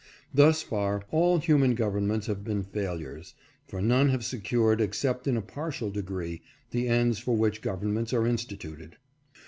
Thus far all human governments have been failures, for none have secured, except in a partial degree, the ends for which governments are instituted.